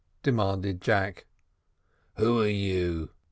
demanded Jack. "Who are you?"